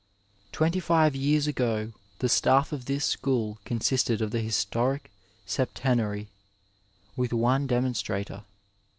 II Twenty five years ago the staff of this school consisted of the historic septenary, with one demonstrator.